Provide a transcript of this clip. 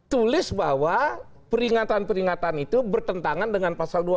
tulis bahwa peringatan peringatan itu bertentangan dengan pasal dua puluh